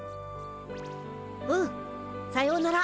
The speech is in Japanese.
うんさようなら。